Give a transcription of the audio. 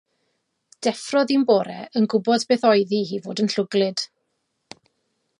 Deffrodd un bore yn gwybod beth oedd hi i fod yn llwglyd.